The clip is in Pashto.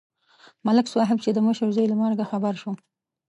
ملک صاحب چې د مشر زوی له مرګه خبر شو.